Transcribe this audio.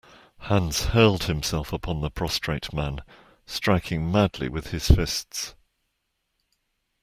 Hans hurled himself upon the prostrate man, striking madly with his fists.